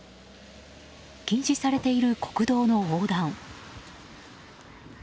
禁止されている国道の横断。